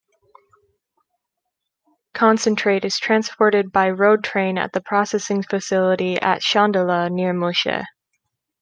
Concentrate is transported by road train to the processing facility at Chandala, near Muchea.